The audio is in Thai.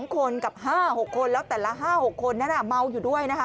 ๒คนกับ๕๖คนแล้วแต่ละ๕๖คนนั้นเมาอยู่ด้วยนะคะ